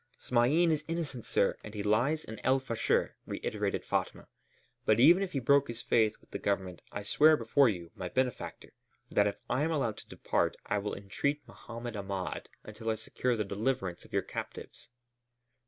"Smain is innocent, sir, and lies in El Fasher," reiterated Fatma, "but if even he broke his faith with the Government, I swear before you, my benefactor, that if I am allowed to depart I will entreat Mohammed Ahmed until I secure the deliverance of your captives."